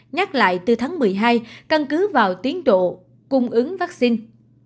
nhắc lại từ tháng một mươi hai căn cứ vào tiến độ cung ứng vaccine